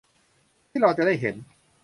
ที่เราจะได้เห็น